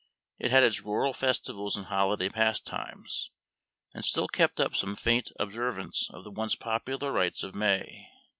It had its rural festivals and holiday pastimes, and still kept up some faint observance of the once popular rites of May.